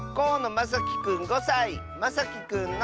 まさきくんの。